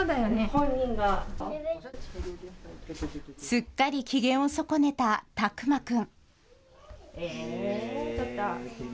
すっかり機嫌を損ねた巧眞君。